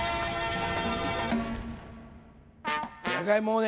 じゃがいもをね